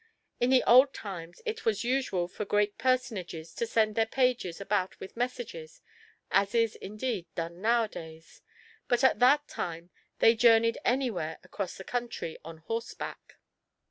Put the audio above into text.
In the old times it was usual for great personages to send their pages about with messages, as is indeed done nowadays, but at that time they journeyed anywhere across country, on horseback.